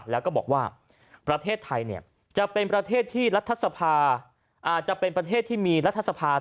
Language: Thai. แล้วก็บอกว่าประเทศไทยจะเป็นประเทศที่มีรัฐสภา